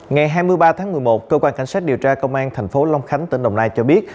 ngày hai mươi ba tháng một mươi một cơ quan cảnh sát điều tra công an thành phố long khánh tỉnh đồng nai cho biết